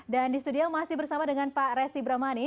dan di studio masih bersama dengan pak resi bramani